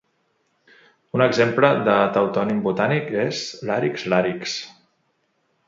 Un exemple de tautònim botànic és "Larix larix".